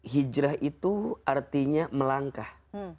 hijrah itu artinya melangkah